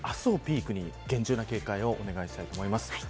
明日をピークに厳重な警戒をお願いしたいと思います。